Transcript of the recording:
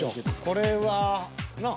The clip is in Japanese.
これはなあ。